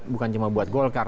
bukan cuma buat golkar